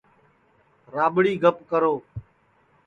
راٻڑی گپ کرو